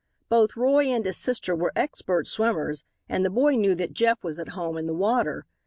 Both Roy and his sister were expert swimmers, and the boy knew that Jeff was at home in the water.